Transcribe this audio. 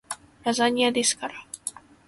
ラザニアですから